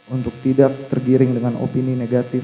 untuk tidak tergiring dengan opini negatif